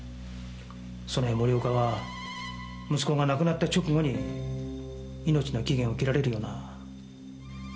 その上森岡は息子が亡くなった直後に命の期限を切られるような病気になっています。